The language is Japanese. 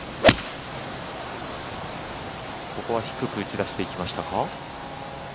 ここは低く打ち出していきましたか。